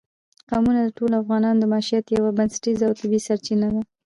قومونه د ټولو افغانانو د معیشت یوه بنسټیزه او طبیعي سرچینه ده.